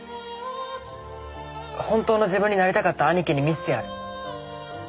本当の自分になりたかった兄貴に見せてやる。